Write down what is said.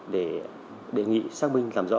để đề nghị xác minh làm rõ